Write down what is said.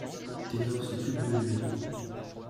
Tenar s'occupe de lui.